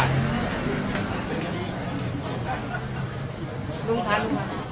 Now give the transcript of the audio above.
ลุงทัน